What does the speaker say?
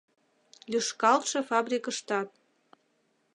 Лӱшкалтше фабрикыштат.